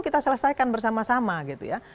kita selesaikan bersama sama gitu ya